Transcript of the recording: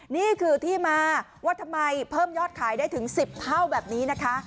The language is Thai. นี่คือที่มาว่าทำไมเพิ่มยอดขายได้ถึง๑๐เท่าแบบนี้นะคะ